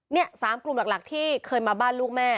นี่๓กลุ่มหลักที่เคยมาบ้านลูกแม่